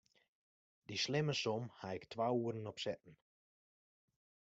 Dy slimme som haw ik twa oeren op sitten.